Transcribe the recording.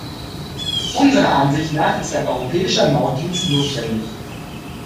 Unserer Ansicht nach ist ein europäischer Mautdienst notwendig.